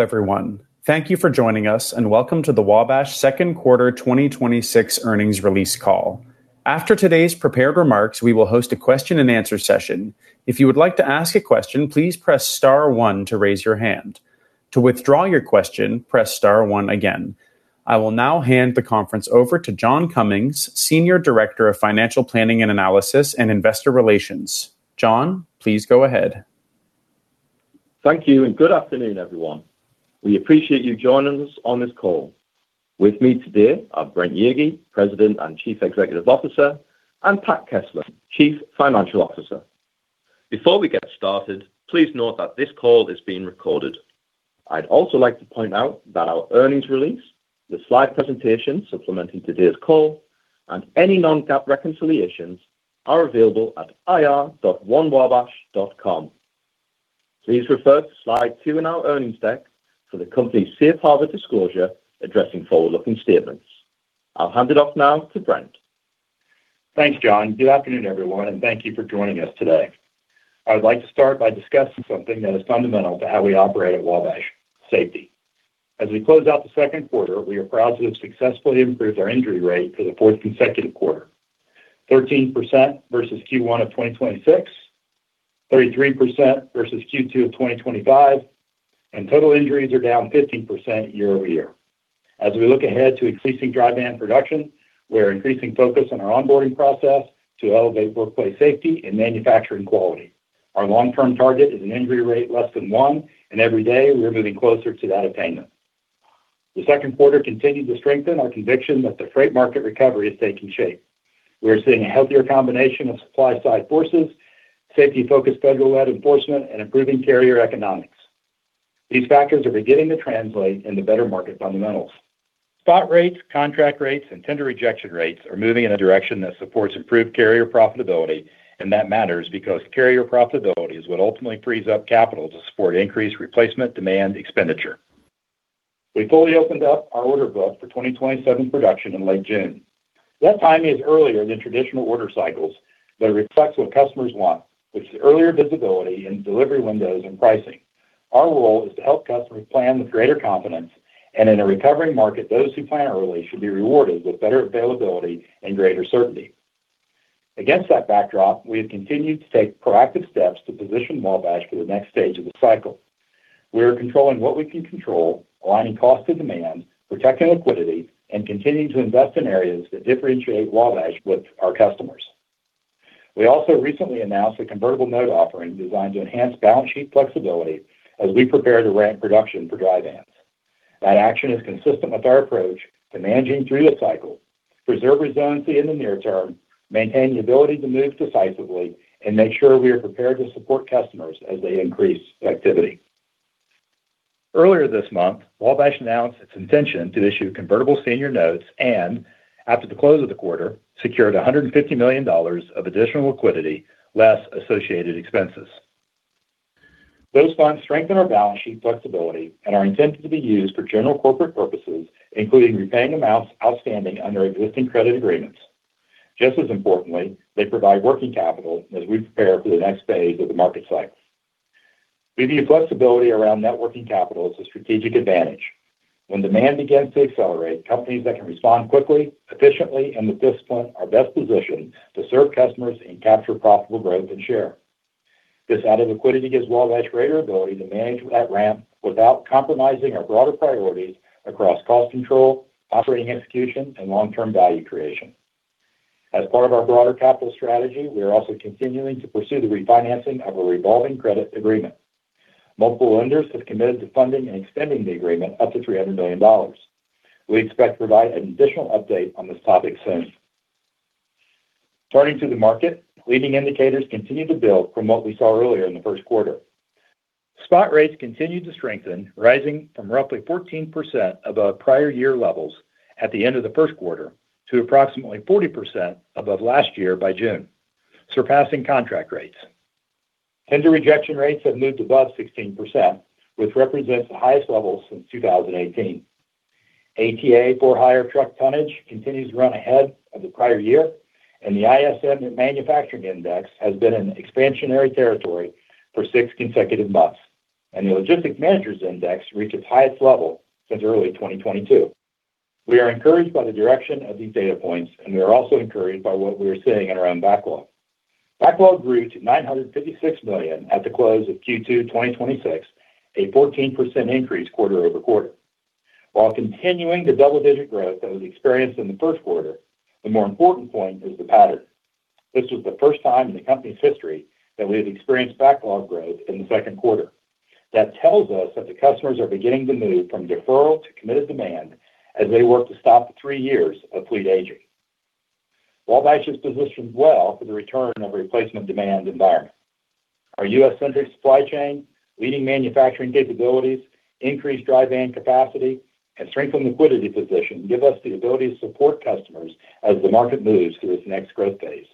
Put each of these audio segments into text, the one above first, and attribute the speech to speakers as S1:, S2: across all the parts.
S1: Everyone. Thank you for joining us, and welcome to the Wabash Second Quarter 2026 Earnings Release Call. After today's prepared remarks, we will host a question and answer session. If you would like to ask a question, please press star one to raise your hand. To withdraw your question, press star one again. I will now hand the conference over to John Cummings, Senior Director, Financial Planning and Analysis and Investor Relations. John, please go ahead.
S2: Thank you, and good afternoon, everyone. We appreciate you joining us on this call. With me today are Brent Yeagy, President and Chief Executive Officer, and Pat Keslin, Chief Financial Officer. Before we get started, please note that this call is being recorded. I'd also like to point out that our earnings release, the slide presentation supplementing today's call, and any non-GAAP reconciliations are available at ir.onewabash.com. Please refer to slide two in our earnings deck for the company's safe harbor disclosure addressing forward-looking statements. I'll hand it off now to Brent.
S3: Thanks, John. Good afternoon, everyone, and thank you for joining us today. I'd like to start by discussing something that is fundamental to how we operate at Wabash: safety. As we close out the second quarter, we are proud to have successfully improved our injury rate for the fourth consecutive quarter, 13% versus Q1 of 2026, 33% versus Q2 of 2025, and total injuries are down 15% year-over-year. As we look ahead to increasing dry van production, we're increasing focus on our onboarding process to elevate workplace safety and manufacturing quality. Our long-term target is an injury rate less than one, and every day we are moving closer to that attainment. The second quarter continued to strengthen our conviction that the freight market recovery is taking shape. We are seeing a healthier combination of supply-side forces, safety-focused federal led enforcement, and improving carrier economics. These factors are beginning to translate into better market fundamentals. Spot rates, contract rates, and tender rejection rates are moving in a direction that supports improved carrier profitability, and that matters because carrier profitability is what ultimately frees up capital to support increased replacement demand expenditure. We fully opened up our order book for 2027 production in late June. That timing is earlier than traditional order cycles, but it reflects what customers want, which is earlier visibility in delivery windows and pricing. Our role is to help customers plan with greater confidence, and in a recovering market, those who plan early should be rewarded with better availability and greater certainty. Against that backdrop, we have continued to take proactive steps to position Wabash for the next stage of the cycle. We are controlling what we can control, aligning cost to demand, protecting liquidity, and continuing to invest in areas that differentiate Wabash with our customers. We also recently announced a convertible note offering designed to enhance balance sheet flexibility as we prepare to ramp production for dry vans. That action is consistent with our approach to managing through the cycle, preserve resiliency in the near term, maintain the ability to move decisively, and make sure we are prepared to support customers as they increase activity. Earlier this month, Wabash announced its intention to issue convertible senior notes and, after the close of the quarter, secured $150 million of additional liquidity, less associated expenses. Those funds strengthen our balance sheet flexibility and are intended to be used for general corporate purposes, including repaying amounts outstanding under existing credit agreements. Just as importantly, they provide working capital as we prepare for the next phase of the market cycle. We view flexibility around networking capital as a strategic advantage. When demand begins to accelerate, companies that can respond quickly, efficiently, and with discipline are best positioned to serve customers and capture profitable growth and share. This added liquidity gives Wabash greater ability to manage that ramp without compromising our broader priorities across cost control, operating execution, and long-term value creation. As part of our broader capital strategy, we are also continuing to pursue the refinancing of a revolving credit agreement. Multiple lenders have committed to funding and extending the agreement up to $300 million. We expect to provide an additional update on this topic soon. Turning to the market, leading indicators continue to build from what we saw earlier in the first quarter. Spot rates continued to strengthen, rising from roughly 14% above prior year levels at the end of the first quarter to approximately 40% above last year by June, surpassing contract rates. Tender rejection rates have moved above 16%, which represents the highest level since 2018. ATA for-hire truck tonnage continues to run ahead of the prior year, and the ISM Manufacturing Index has been in expansionary territory for six consecutive months, and the Logistics Managers' Index reached its highest level since early 2022. We are also encouraged by what we are seeing in our own backlog. Backlog grew to $956 million at the close of Q2 2026, a 14% increase quarter-over-quarter. While continuing the double-digit growth that was experienced in the first quarter, the more important point is the pattern. This was the first time in the company's history that we have experienced backlog growth in the second quarter. That tells us that the customers are beginning to move from deferral to committed demand as they work to stop the three years of fleet aging. Wabash is positioned well for the return of a replacement demand environment. Our U.S.-centric supply chain, leading manufacturing capabilities, increased dry van capacity, and strengthened liquidity position give us the ability to support customers as the market moves to its next growth phase.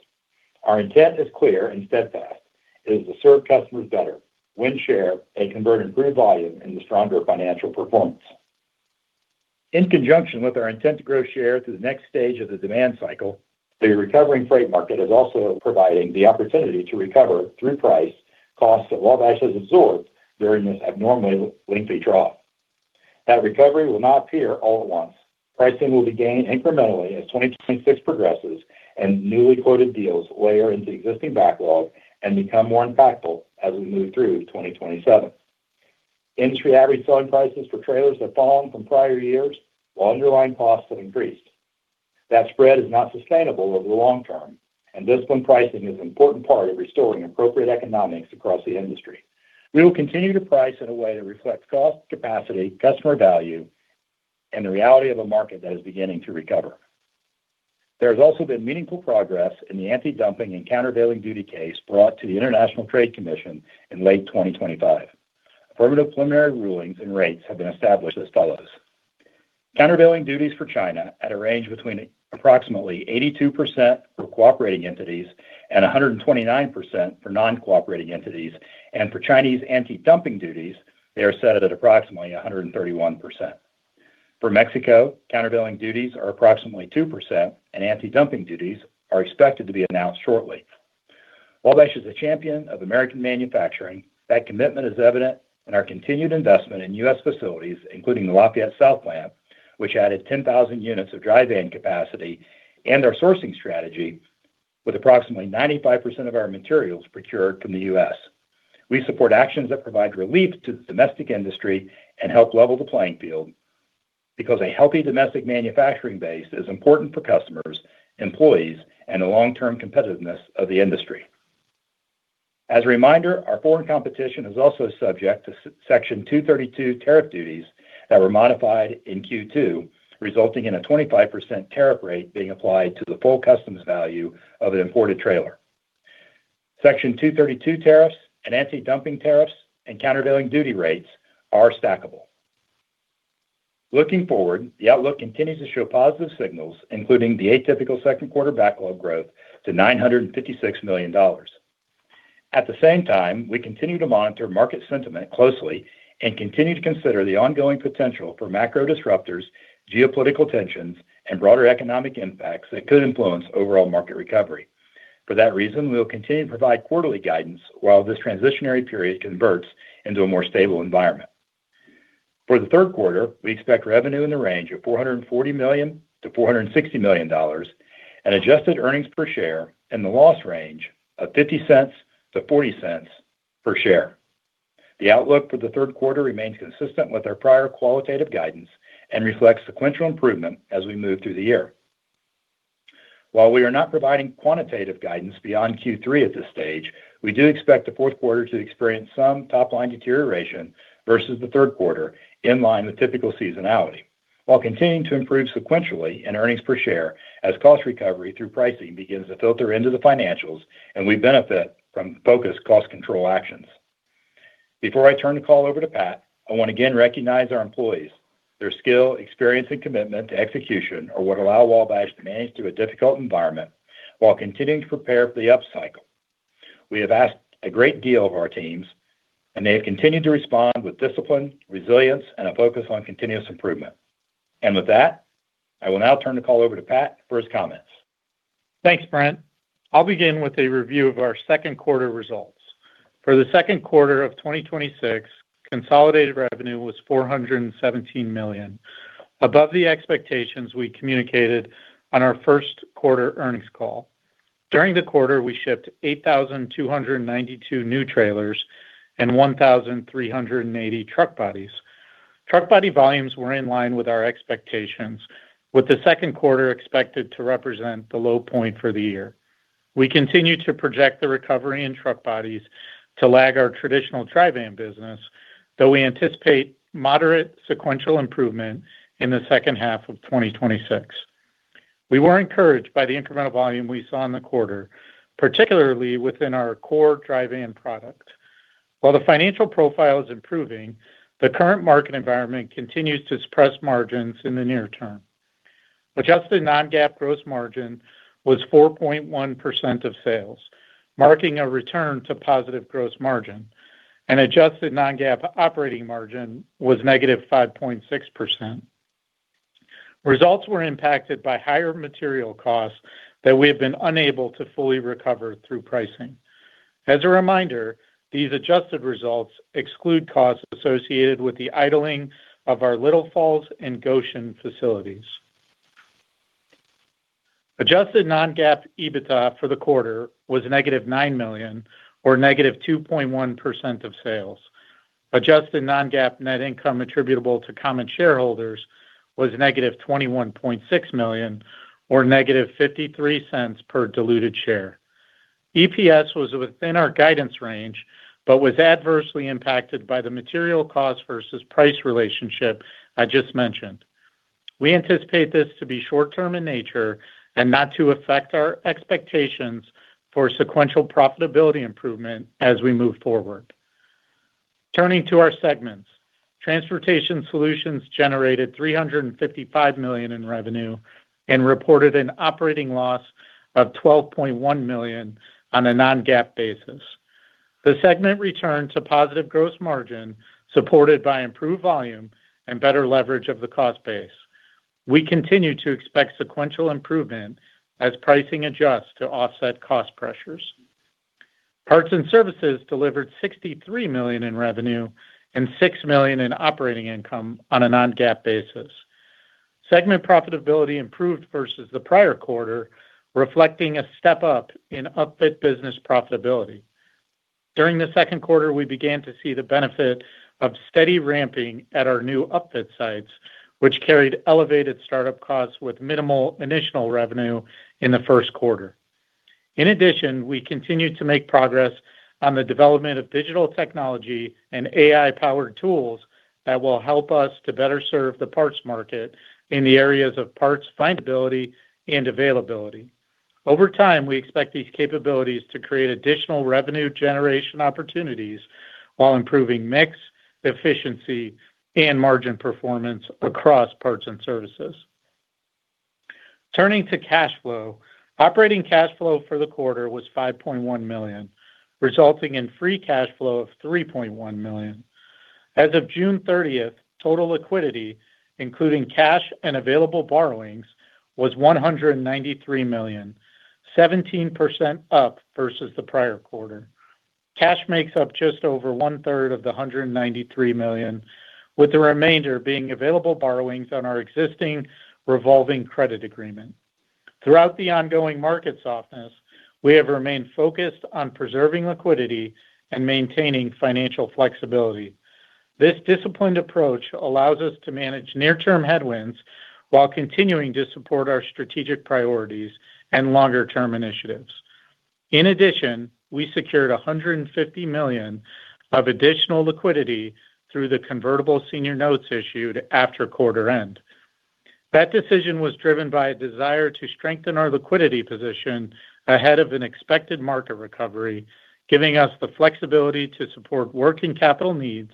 S3: Our intent is clear and steadfast. It is to serve customers better, win share, and convert improved volume into stronger financial performance. In conjunction with our intent to grow share through the next stage of the demand cycle, the recovering freight market is also providing the opportunity to recover, through price, costs that Wabash has absorbed during this abnormally lengthy trough. That recovery will not appear all at once. Pricing will be gained incrementally as 2026 progresses and newly quoted deals layer into existing backlog and become more impactful as we move through 2027. Industry average selling prices for trailers have fallen from prior years while underlying costs have increased. That spread is not sustainable over the long term, and discipline pricing is an important part of restoring appropriate economics across the industry. We will continue to price in a way that reflects cost, capacity, customer value, and the reality of a market that is beginning to recover. There has also been meaningful progress in the antidumping and countervailing duty case brought to the International Trade Commission in late 2025. Affirmative preliminary rulings and rates have been established as follows. Countervailing duties for China at a range between approximately 82% for cooperating entities and 129% for non-cooperating entities. For Chinese antidumping duties, they are set at approximately 131%. For Mexico, countervailing duties are approximately 2%, and antidumping duties are expected to be announced shortly. Wabash is a champion of American manufacturing. That commitment is evident in our continued investment in U.S. facilities, including the Lafayette South plant, which added 10,000 units of dry van capacity, and our sourcing strategy with approximately 95% of our materials procured from the U.S. We support actions that provide relief to the domestic industry and help level the playing field, because a healthy domestic manufacturing base is important for customers, employees, and the long-term competitiveness of the industry. As a reminder, our foreign competition is also subject to Section 232 tariff duties that were modified in Q2, resulting in a 25% tariff rate being applied to the full customs value of an imported trailer. Section 232 tariffs and antidumping tariffs and countervailing duty rates are stackable. Looking forward, the outlook continues to show positive signals, including the atypical second quarter backlog growth to $956 million. At the same time, we continue to monitor market sentiment closely and continue to consider the ongoing potential for macro disruptors, geopolitical tensions, and broader economic impacts that could influence overall market recovery. For that reason, we will continue to provide quarterly guidance while this transitionary period converts into a more stable environment. For the third quarter, we expect revenue in the range of $440 million-$460 million and adjusted earnings per share in the loss range of $0.50 to $0.40 per share. The outlook for the third quarter remains consistent with our prior qualitative guidance and reflects sequential improvement as we move through the year. While we are not providing quantitative guidance beyond Q3 at this stage, we do expect the fourth quarter to experience some top-line deterioration versus the third quarter, in line with typical seasonality, while continuing to improve sequentially in earnings per share as cost recovery through pricing begins to filter into the financials and we benefit from focused cost control actions. Before I turn the call over to Pat, I want to again recognize our employees. Their skill, experience, and commitment to execution are what allow Wabash to manage through a difficult environment while continuing to prepare for the upcycle. We have asked a great deal of our teams, and they have continued to respond with discipline, resilience, and a focus on continuous improvement. With that, I will now turn the call over to Pat for his comments.
S4: Thanks, Brent. I'll begin with a review of our second quarter results. For the second quarter of 2026, consolidated revenue was $417 million, above the expectations we communicated on our first quarter earnings call. During the quarter, we shipped 8,292 new trailers and 1,380 truck bodies. Truck body volumes were in line with our expectations, with the second quarter expected to represent the low point for the year. We continue to project the recovery in truck bodies to lag our traditional dry van business, though we anticipate moderate sequential improvement in the second half of 2026. We were encouraged by the incremental volume we saw in the quarter, particularly within our core dry van product. While the financial profile is improving, the current market environment continues to suppress margins in the near term. Adjusted non-GAAP gross margin was 4.1% of sales, marking a return to positive gross margin, and adjusted non-GAAP operating margin was -5.6%. Results were impacted by higher material costs that we have been unable to fully recover through pricing. As a reminder, these adjusted results exclude costs associated with the idling of our Little Falls and Goshen facilities. Adjusted non-GAAP EBITDA for the quarter was a -$9 million or -2.1% of sales. Adjusted non-GAAP net income attributable to common shareholders was a -$21.6 million or -$0.53 per diluted share. EPS was within our guidance range, was adversely impacted by the material cost versus price relationship I just mentioned. We anticipate this to be short term in nature and not to affect our expectations for sequential profitability improvement as we move forward. Turning to our segments. Transportation Solutions generated $355 million in revenue and reported an operating loss of $12.1 million on a non-GAAP basis. The segment returned to positive gross margin, supported by improved volume and better leverage of the cost base. We continue to expect sequential improvement as pricing adjusts to offset cost pressures. Parts & Services delivered $63 million in revenue and $6 million in operating income on a non-GAAP basis. Segment profitability improved versus the prior quarter, reflecting a step up in upfit business profitability. During the second quarter, we began to see the benefit of steady ramping at our new upfit sites, which carried elevated startup costs with minimal initial revenue in the first quarter. In addition, we continued to make progress on the development of digital technology and AI-powered tools that will help us to better serve the parts market in the areas of parts findability and availability. Over time, we expect these capabilities to create additional revenue generation opportunities while improving mix, efficiency, and margin performance across Parts & Services. Turning to cash flow, operating cash flow for the quarter was $5.1 million, resulting in free cash flow of $3.1 million. As of June 30th, total liquidity, including cash and available borrowings, was $193 million, 17% up versus the prior quarter. Cash makes up just over 1/3 of the $193 million, with the remainder being available borrowings on our existing revolving credit agreement. Throughout the ongoing market softness, we have remained focused on preserving liquidity and maintaining financial flexibility. This disciplined approach allows us to manage near-term headwinds while continuing to support our strategic priorities and longer-term initiatives. In addition, we secured $150 million of additional liquidity through the convertible senior notes issued after quarter end. That decision was driven by a desire to strengthen our liquidity position ahead of an expected market recovery, giving us the flexibility to support working capital needs,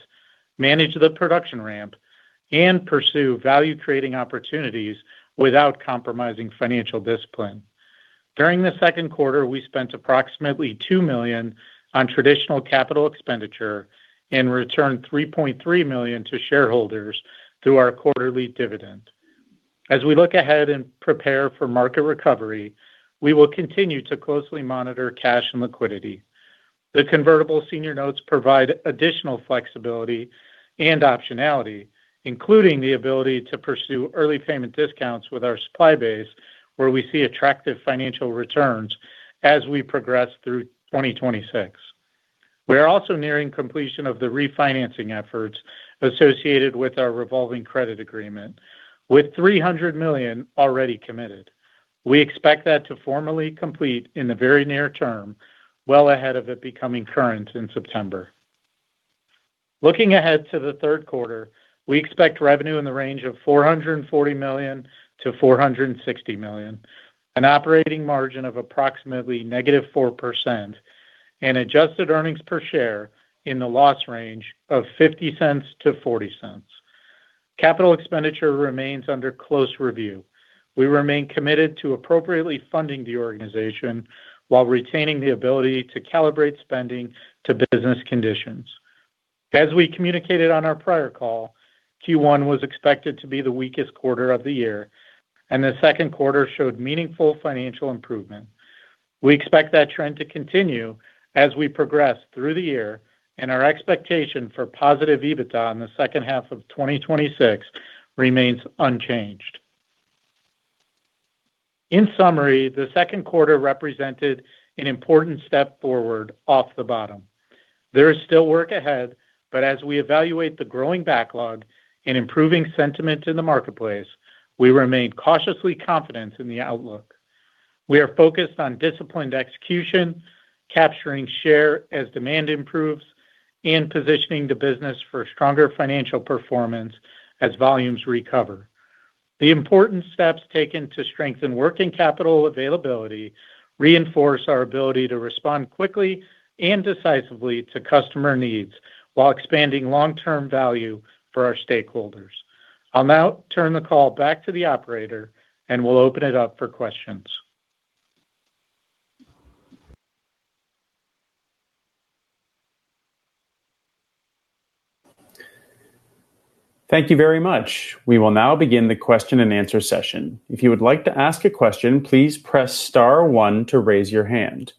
S4: manage the production ramp, and pursue value-creating opportunities without compromising financial discipline. During the second quarter, we spent approximately $2 million on traditional capital expenditure and returned $3.3 million to shareholders through our quarterly dividend. As we look ahead and prepare for market recovery, we will continue to closely monitor cash and liquidity. The convertible senior notes provide additional flexibility and optionality, including the ability to pursue early payment discounts with our supply base, where we see attractive financial returns as we progress through 2026. We are also nearing completion of the refinancing efforts associated with our revolving credit agreement, with $300 million already committed. We expect that to formally complete in the very near term, well ahead of it becoming current in September. Looking ahead to the third quarter, we expect revenue in the range of $440 million-$460 million, an operating margin of approximately -4%, and adjusted earnings per share in the loss range of -$0.50 to -$0.40. Capital expenditure remains under close review. We remain committed to appropriately funding the organization while retaining the ability to calibrate spending to business conditions. As we communicated on our prior call, Q1 was expected to be the weakest quarter of the year, and the second quarter showed meaningful financial improvement. We expect that trend to continue as we progress through the year, and our expectation for positive EBITDA in the second half of 2026 remains unchanged. In summary, the second quarter represented an important step forward off the bottom. There is still work ahead, but as we evaluate the growing backlog and improving sentiment in the marketplace, we remain cautiously confident in the outlook. We are focused on disciplined execution, capturing share as demand improves, and positioning the business for stronger financial performance as volumes recover. The important steps taken to strengthen working capital availability reinforce our ability to respond quickly and decisively to customer needs while expanding long-term value for our stakeholders. I'll now turn the call back to the operator and will open it up for questions.
S1: Thank you very much. We will now begin the question and answer session. If you would like to ask a question, please press star one to raise your hand.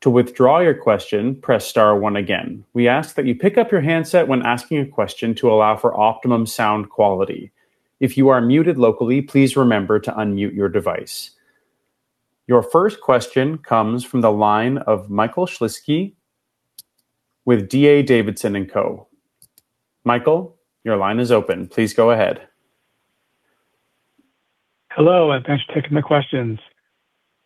S1: To withdraw your question, press star one again. We ask that you pick up your handset when asking a question to allow for optimum sound quality. If you are muted locally, please remember to unmute your device. Your first question comes from the line of Michael Shlisky with D.A. Davidson & Co. Michael, your line is open. Please go ahead.
S5: Hello, thanks for taking my questions.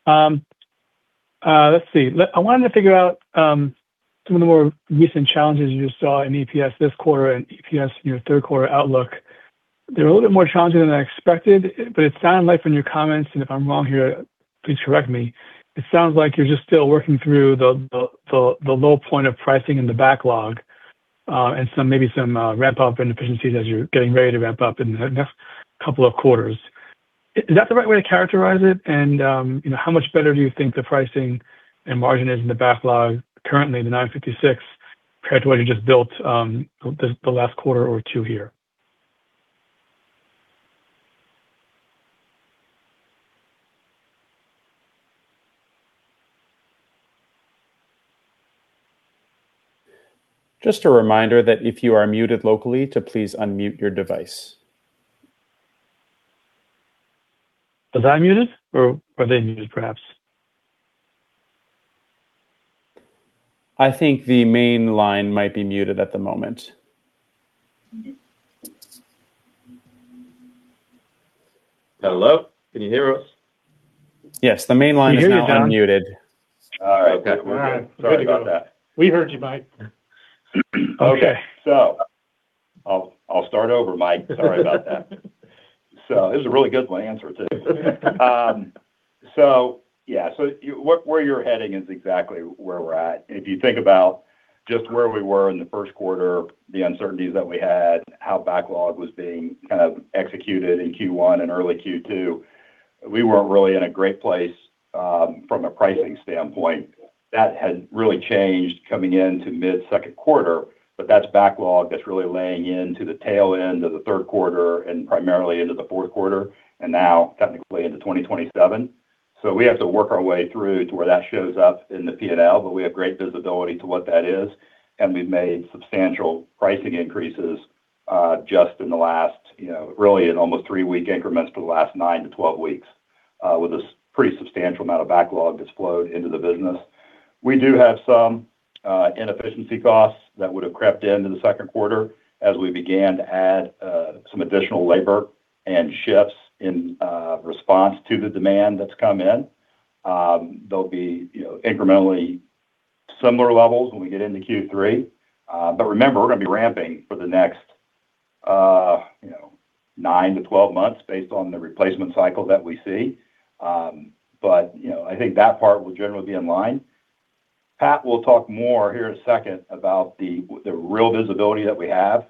S5: Let's see. I wanted to figure out some of the more recent challenges you just saw in EPS this quarter and EPS in your third quarter outlook. They're a little bit more challenging than I expected, but it sounded like from your comments, if I'm wrong here, please correct me. It sounds like you're just still working through the low point of pricing in the backlog, maybe some ramp-up inefficiencies as you're getting ready to ramp up in the next couple of quarters? Is that the right way to characterize it? How much better do you think the pricing and margin is in the backlog currently in the 956 compared to what you just built the last quarter or two here?
S1: Just a reminder that if you are muted locally, to please unmute your device.
S5: Was I muted or were they muted, perhaps?
S1: I think the main line might be muted at the moment.
S3: Hello, can you hear us?
S1: Yes, the main line is now unmuted.
S3: All right.
S5: Okay.
S3: Sorry about that.
S4: We heard you, Mike.
S3: I'll start over, Mike. Sorry about that. It was a really good answer, too. Yeah. Where you're heading is exactly where we're at. If you think about just where we were in the first quarter, the uncertainties that we had, how backlog was being kind of executed in Q1 and early Q2, we weren't really in a great place from a pricing standpoint. That has really changed coming into mid-second quarter, but that's backlog that's really laying into the tail end of the third quarter and primarily into the fourth quarter, and now technically into 2027. We have to work our way through to where that shows up in the P&L, but we have great visibility to what that is, and we've made substantial pricing increases just in the last really in almost three-week increments for the last 9-12 weeks with a pretty substantial amount of backlog that's flowed into the business. We do have some inefficiency costs that would have crept into the second quarter as we began to add some additional labor and shifts in response to the demand that's come in. They'll be incrementally similar levels when we get into Q3. Remember, we're going to be ramping for the next 9-12 months based on the replacement cycle that we see. I think that part will generally be in line. Pat will talk more here in a second about the real visibility that we have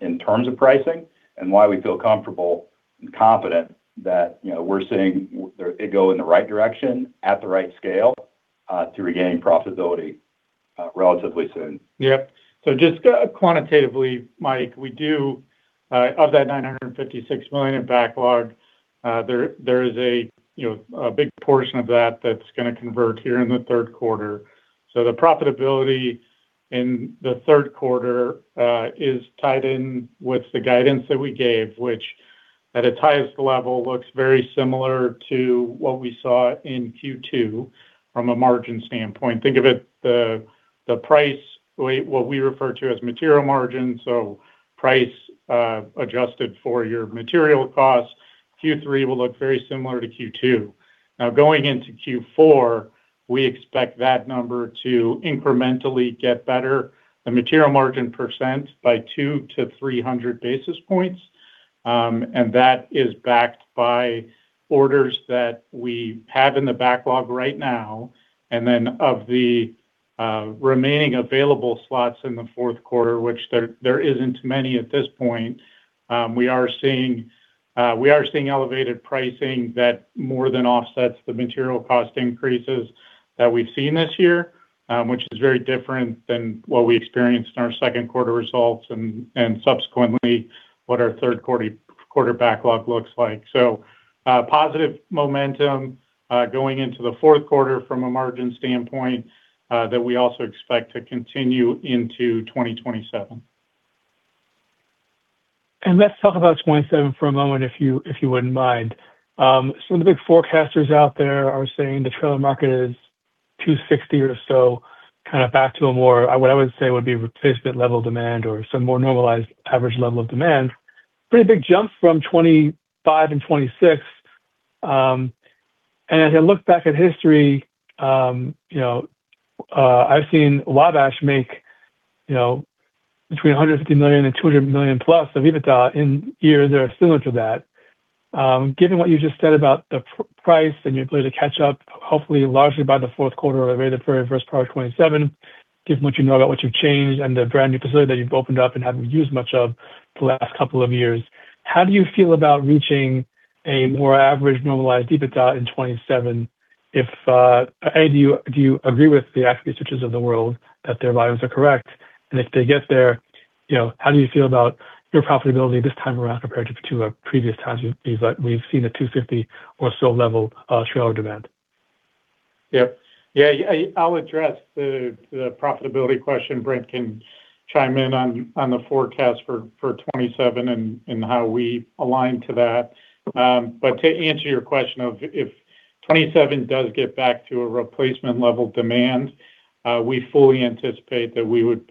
S3: in terms of pricing and why we feel comfortable and confident that we're seeing it go in the right direction at the right scale to regain profitability relatively soon.
S4: Yep. Just quantitatively, Mike, we do, of that $956 million in backlog, there is a big portion of that that's going to convert here in the third quarter. The profitability in the third quarter is tied in with the guidance that we gave, which at its highest level looks very similar to what we saw in Q2 from a margin standpoint. Think of it, the price, what we refer to as material margin, so price adjusted for your material cost, Q3 will look very similar to Q2. Going into Q4, we expect that number to incrementally get better, the material margin percent by 200-300 basis points. That is backed by orders that we have in the backlog right now. Of the remaining available slots in the fourth quarter, which there isn't many at this point, we are seeing elevated pricing that more than offsets the material cost increases that we've seen this year, which is very different than what we experienced in our second quarter results and subsequently what our third quarter backlog looks like. Positive momentum going into the fourth quarter from a margin standpoint that we also expect to continue into 2027.
S5: Let's talk about 2027 for a moment, if you wouldn't mind. Some of the big forecasters out there are saying the trailer market is 260 or so, kind of back to a more, what I would say, would be replacement level demand or some more normalized average level of demand. Pretty big jump from 2025 and 2026. I look back at history, I've seen Wabash make between $150 million and $200+ million of EBITDA in years that are similar to that. Given what you just said about the price and your ability to catch up, hopefully largely by the fourth quarter or maybe the very first part of 2027, given what you know about what you've changed and the brand new facility that you've opened up and haven't used much of the last couple of years, how do you feel about reaching a more average normalized EBITDA in 2027? Do you agree with the ACT Research of the world that their volumes are correct? If they get there, how do you feel about your profitability this time around compared to previous times we've seen a 250 or so level trailer demand?
S4: Yep. I'll address the profitability question. Brent can chime in on the forecast for 2027 and how we align to that. To answer your question, if 2027 does get back to a replacement level demand, we fully anticipate that we would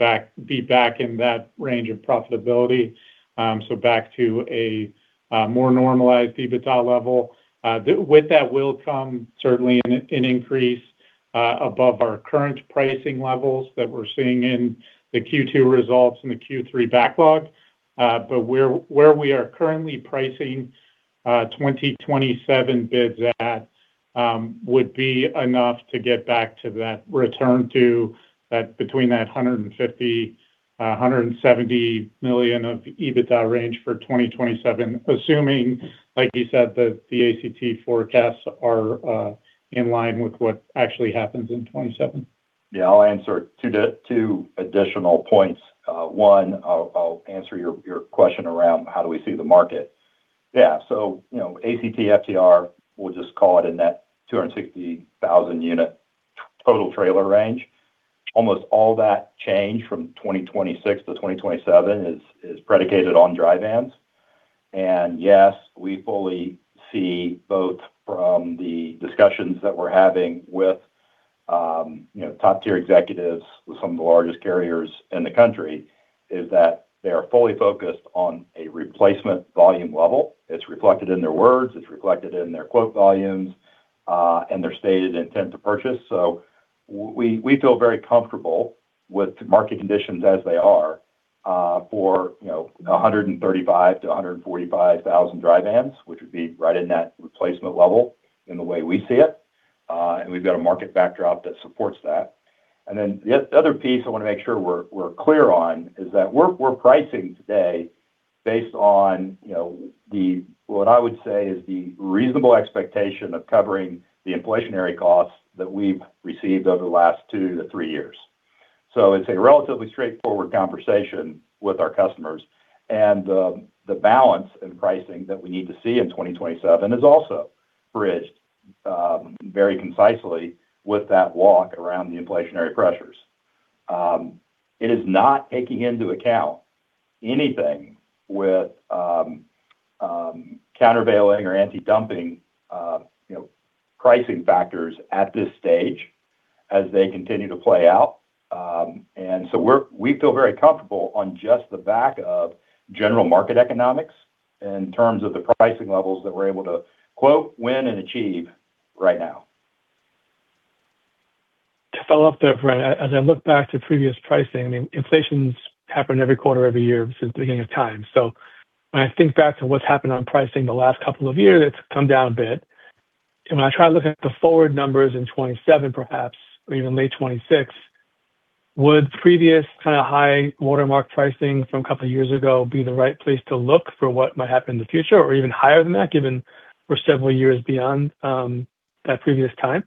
S4: be back in that range of profitability. Back to a more normalized EBITDA level. With that will come certainly an increase above our current pricing levels that we're seeing in the Q2 results and the Q3 backlog. Where we are currently pricing 2027 bids at would be enough to get back to that return to between that $150 million-$170 million of EBITDA range for 2027, assuming, like you said, that the ACT forecasts are in line with what actually happens in 2027?
S3: Yeah. I'll answer two additional points. One, I'll answer your question around how do we see the market. Yeah. ACT/FTR, we'll just call it in that 260,000 unit total trailer range. Almost all that change from 2026 to 2027 is predicated on dry vans. Yes, we fully see both from the discussions that we're having with top-tier executives with some of the largest carriers in the country, is that they are fully focused on a replacement volume level. It's reflected in their words, it's reflected in their quote volumes, and their stated intent to purchase. We feel very comfortable with market conditions as they are, for 135,000-145,000 dry vans, which would be right in that replacement level in the way we see it. We've got a market backdrop that supports that. The other piece I want to make sure we're clear on is that we're pricing today based on what I would say is the reasonable expectation of covering the inflationary costs that we've received over the last 2-3 years. It's a relatively straightforward conversation with our customers. The balance in pricing that we need to see in 2027 is also bridged, very concisely with that walk around the inflationary pressures. It is not taking into account anything with Countervailing Duty or Antidumping pricing factors at this stage as they continue to play out. We feel very comfortable on just the back of general market economics in terms of the pricing levels that we're able to quote, win, and achieve right now.
S5: To follow up there, Brent, as I look back to previous pricing, I mean, inflation's happened every quarter, every year since the beginning of time. When I think back to what's happened on pricing the last couple of years, it's come down a bit. When I try to look at the forward numbers in 2027 perhaps, or even late 2026, would previous kind of high watermark pricing from a couple of years ago be the right place to look for what might happen in the future or even higher than that, given we're several years beyond that previous time?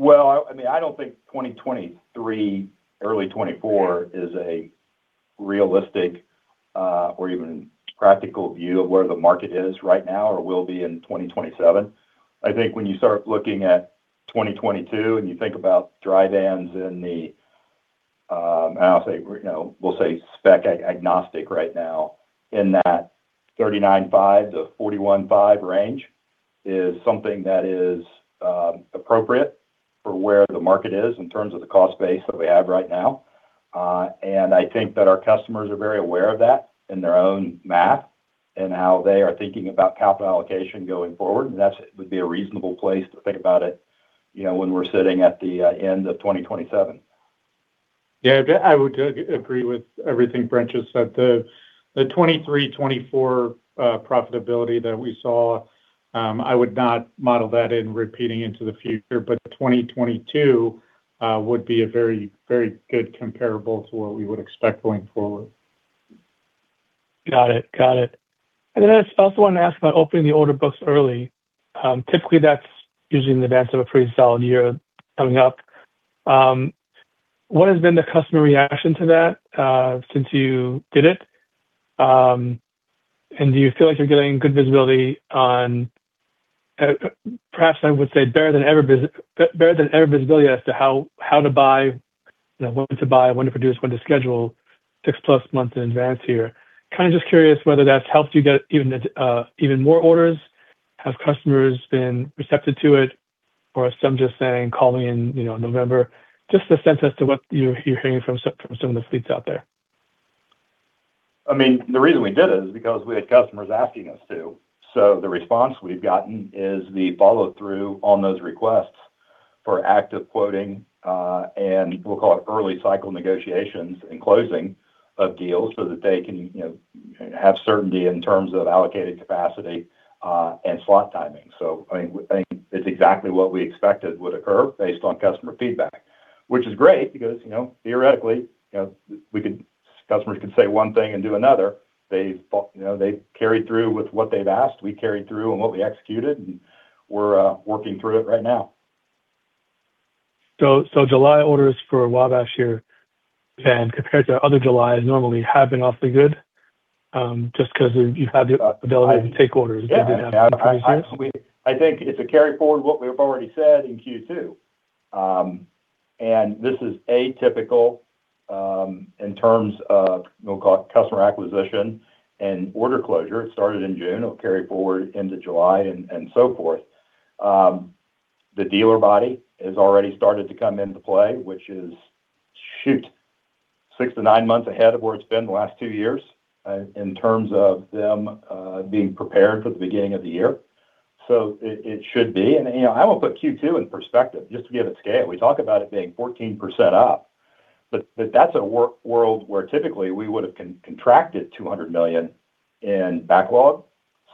S3: I don't think 2023, early 2024 is a realistic, or even practical view of where the market is right now or will be in 2027. I think when you start looking at 2022, and you think about dry vans in the, we'll say spec agnostic right now in that $39.5-$41.5 range is something that is appropriate for where the market is in terms of the cost base that we have right now. I think that our customers are very aware of that in their own math and how they are thinking about capital allocation going forward. That would be a reasonable place to think about it when we're sitting at the end of 2027.
S4: I would agree with everything Brent just said. The 2023, 2024 profitability that we saw, I would not model that in repeating into the future. But 2022 would be a very good comparable to what we would expect going forward.
S5: Got it. I also wanted to ask about opening the order books early. Typically, that's usually in advance of a pretty solid year coming up. What has been the customer reaction to that, since you did it? Do you feel like you're getting good visibility on, perhaps I would say better than ever visibility as to how to buy, when to buy, when to produce, when to schedule, 6+ months in advance here? Kind of just curious whether that's helped you get even more orders. Have customers been receptive to it? Or are some just saying, "Call me in November." Just a sense as to what you're hearing from some of the fleets out there.
S3: The reason we did it is because we had customers asking us to. The response we've gotten is the follow-through on those requests for active quoting, and we'll call it early cycle negotiations and closing of deals so that they can have certainty in terms of allocated capacity, and slot timing. I think it's exactly what we expected would occur based on customer feedback, which is great because theoretically, customers can say one thing and do another. They carried through with what they've asked. We carried through on what we executed, and we're working through it right now.
S5: July orders for Wabash here, compared to other Julys normally have been awfully good, just because you've had the ability to take orders that you didn't have in previous years?
S3: Yeah. I think it's a carry forward what we've already said in Q2. This is atypical, in terms of customer acquisition and order closure. It started in June, it'll carry forward into July and so forth. The dealer body has already started to come into play, which is, shoot, 6-9 months ahead of where it's been the last two years in terms of them being prepared for the beginning of the year. It should be. I will put Q2 in perspective, just to give it scale. We talk about it being 14% up. That's a world where typically we would've contracted $200 million in backlog.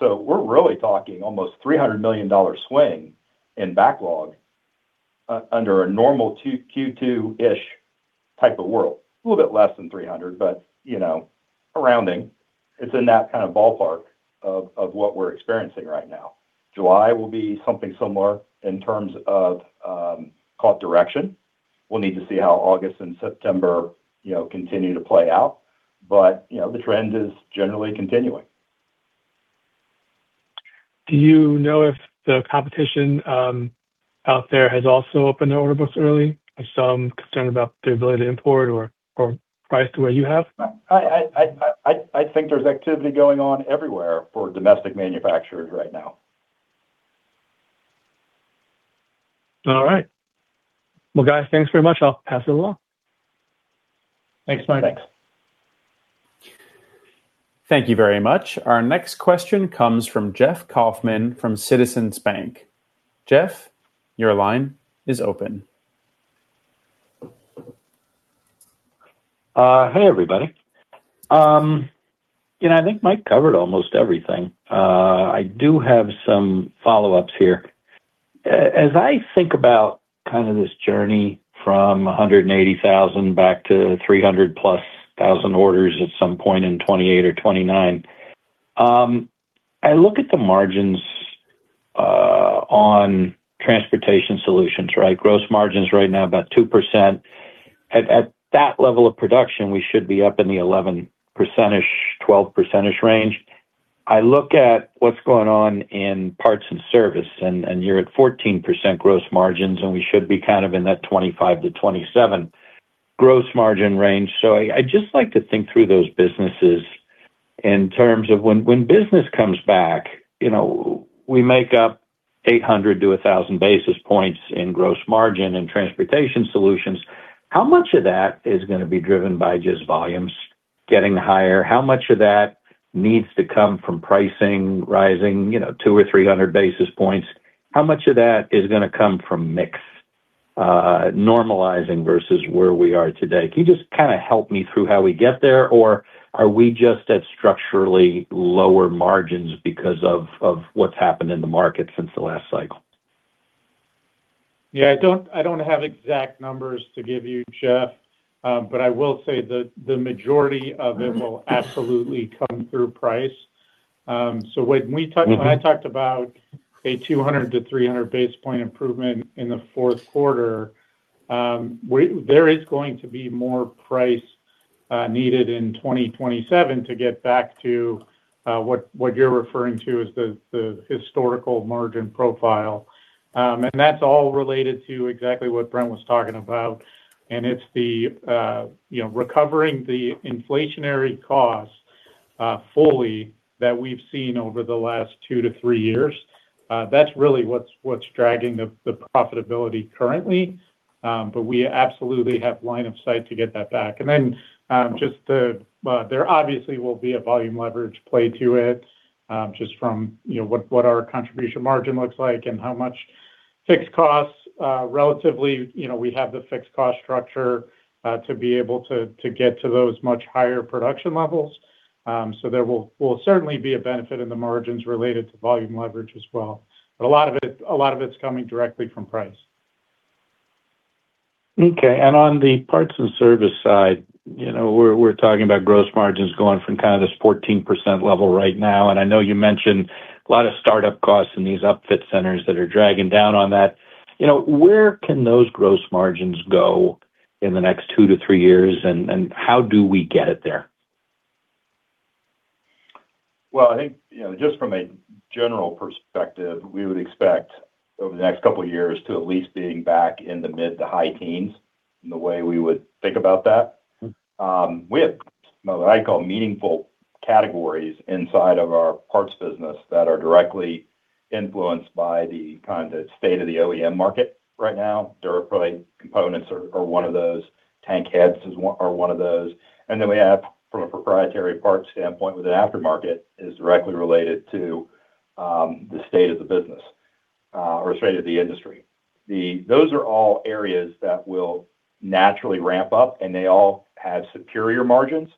S3: We're really talking almost a $300 million swing in backlog under a normal Q2-ish type of world. A little bit less than 300, but rounding, it's in that kind of ballpark of what we're experiencing right now. July will be something similar in terms of call it direction. We'll need to see how August and September continue to play out. The trend is generally continuing.
S5: Do you know if the competition out there has also opened their order books early? There's some concern about the ability to import or price to where you have?
S3: I think there's activity going on everywhere for domestic manufacturers right now.
S5: All right. Well, guys, thanks very much. I'll pass it along.
S3: Thanks, Mike.
S4: Thanks.
S1: Thank you very much. Our next question comes from Jeff Kauffman from Citizens Bank. Jeff, your line is open.
S6: Hey, everybody. I think Mike covered almost everything. I do have some follow-ups here. As I think about kind of this journey from 180,000 back to 300+ thousand orders at some point in 2028 or 2029. I look at the margins on Transportation Solutions, right? Gross margins right now about 2%. At that level of production, we should be up in the 11%, 12% range. I look at what's going on in Parts & Services, and you're at 14% gross margins, and we should be kind of in that 25%-27% gross margin range. I'd just like to think through those businesses in terms of when business comes back, we make up 800-1,000 basis points in gross margin in Transportation Solutions. How much of that is going to be driven by just volumes getting higher? How much of that needs to come from pricing rising 2 or 300 basis points? How much of that is going to come from mix normalizing versus where we are today? Can you just kind of help me through how we get there, or are we just at structurally lower margins because of what's happened in the market since the last cycle?
S4: Yeah. I don't have exact numbers to give you, Jeff. I will say that the majority of it will absolutely come through price. When I talked about a 200-300 basis point improvement in the fourth quarter, there is going to be more price needed in 2027 to get back to what you're referring to as the historical margin profile. That's all related to exactly what Brent was talking about, and it's the recovering the inflationary cost fully that we've seen over the last 2-3 years. That's really what's dragging the profitability currently. We absolutely have line of sight to get that back. Then, there obviously will be a volume leverage play to it, just from what our contribution margin looks like and how much fixed costs. Relatively, we have the fixed cost structure, to be able to get to those much higher production levels. There will certainly be a benefit in the margins related to volume leverage as well. A lot of it's coming directly from price.
S6: Okay. On the Parts & Services side, we're talking about gross margins going from kind of this 14% level right now. I know you mentioned a lot of startup costs in these upfit centers that are dragging down on that. Where can those gross margins go in the next two to three years? How do we get it there?
S3: Well, I think, just from a general perspective, we would expect over the next couple of years to at least being back in the mid to high teens in the way we would think about that. We have what I call meaningful categories inside of our parts business that are directly influenced by the kind of state of the OEM market right now. DuraPlate components are one of those. Tank heads are one of those. We have, from a proprietary parts standpoint with an aftermarket, is directly related to the state of the business, or state of the industry. Those are all areas that will naturally ramp up. They all have superior margins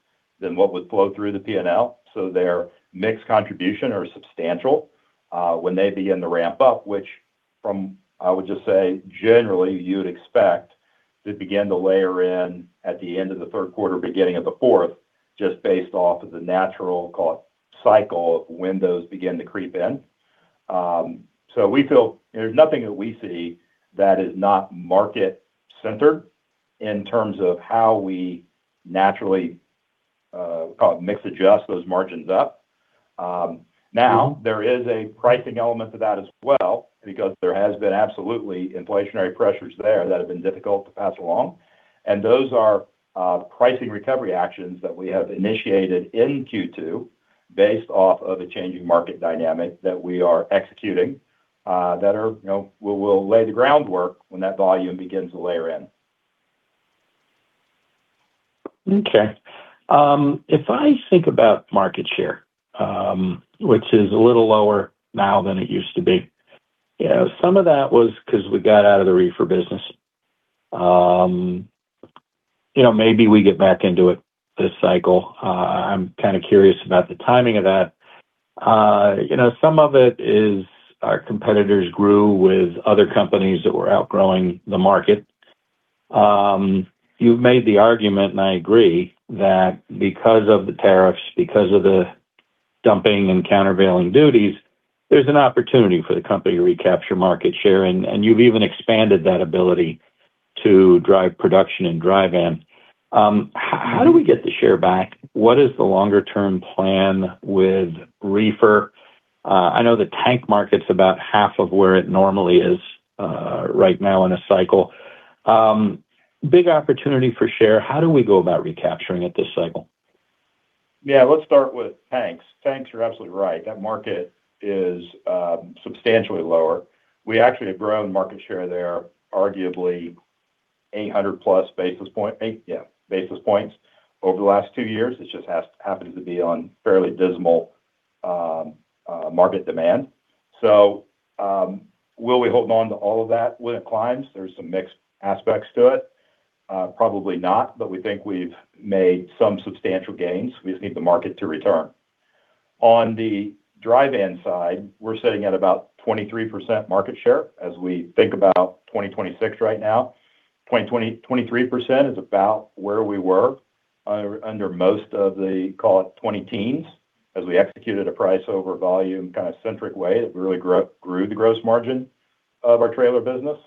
S3: than what would flow through the P&L. Their mix contribution are substantial. When they begin to ramp up, which from, I would just say, generally, you would expect to begin to layer in at the end of the third quarter, beginning of the fourth, just based off of the natural, call it, cycle of when those begin to creep in. There's nothing that we see that is not market centered in terms of how we naturally, call it, mix adjust those margins up. Now, there is a pricing element to that as well because there has been absolutely inflationary pressures there that have been difficult to pass along. Those are pricing recovery actions that we have initiated in Q2 based off of a changing market dynamic that we are executing, that will lay the groundwork when that volume begins to layer in.
S6: Okay. If I think about market share, which is a little lower now than it used to be, some of that was because we got out of the reefer business. Maybe we get back into it this cycle. I'm kind of curious about the timing of that. Some of it is our competitors grew with other companies that were outgrowing the market. You've made the argument. I agree that because of the tariffs, because of the dumping and countervailing duties, there's an opportunity for the company to recapture market share. You've even expanded that ability to drive production and drive-in. How do we get the share back? What is the longer-term plan with Reefer? I know the tank market's about half of where it normally is right now in a cycle. Big opportunity for share. How do we go about recapturing it this cycle?
S3: Let's start with tanks. Tanks, you're absolutely right. That market is substantially lower. We actually have grown market share there, arguably 800+ basis points over the last two years. It just happens to be on fairly dismal market demand. Will we hold on to all of that when it climbs? There's some mixed aspects to it. Probably not, we think we've made some substantial gains. We just need the market to return. On the dry van side, we're sitting at about 23% market share as we think about 2026 right now. 23% is about where we were under most of the, call it 20-teens, as we executed a price over volume kind of centric way that really grew the gross margin of our trailer business.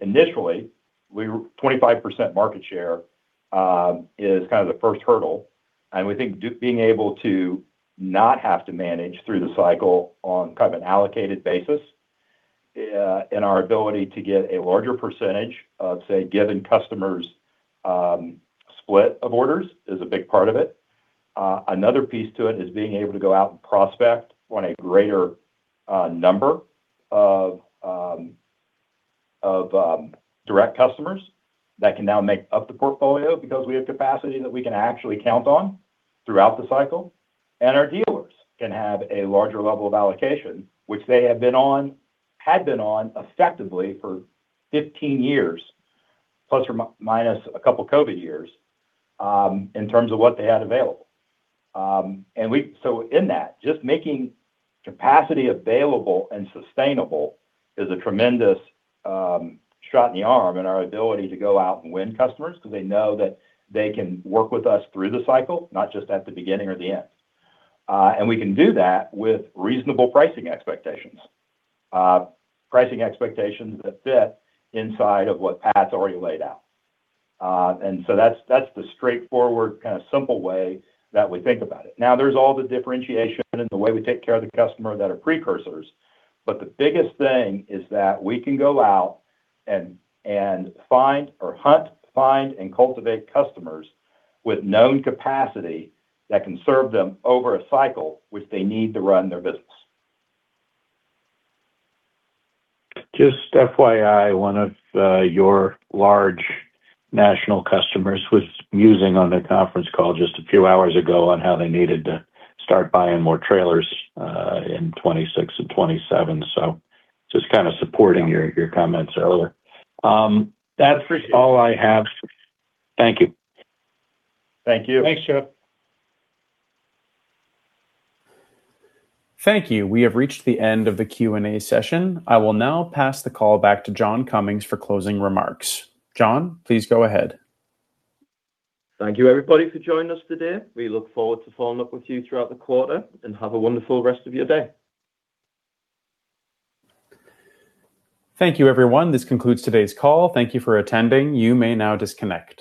S3: Initially, 25% market share is kind of the first hurdle, and we think being able to not have to manage through the cycle on kind of an allocated basis and our ability to get a larger percentage of, say, given customers' split of orders is a big part of it. Another piece to it is being able to go out and prospect on a greater number of direct customers that can now make up the portfolio because we have capacity that we can actually count on throughout the cycle. Our dealers can have a larger level of allocation, which they had been on effectively for 15 years, plus or minus a couple of COVID years, in terms of what they had available. In that, just making capacity available and sustainable is a tremendous shot in the arm in our ability to go out and win customers because they know that they can work with us through the cycle, not just at the beginning or the end. We can do that with reasonable pricing expectations. Pricing expectations that fit inside of what Pat's already laid out. That's the straightforward, kind of simple way that we think about it. There's all the differentiation in the way we take care of the customer that are precursors. The biggest thing is that we can go out and hunt, find, and cultivate customers with known capacity that can serve them over a cycle which they need to run their business.
S6: Just FYI, one of your large national customers was musing on the conference call just a few hours ago on how they needed to start buying more trailers in 2026 and 2027. Just kind of supporting your comments earlier.
S3: Appreciate it.
S6: That's all I have. Thank you.
S3: Thank you.
S2: Thanks, Jeff.
S1: Thank you. We have reached the end of the Q&A session. I will now pass the call back to John Cummings for closing remarks. John, please go ahead.
S2: Thank you everybody for joining us today. We look forward to following up with you throughout the quarter. Have a wonderful rest of your day.
S1: Thank you everyone. This concludes today's call. Thank you for attending. You may now disconnect.